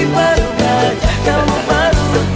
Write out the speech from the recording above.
masih jalan tumaritis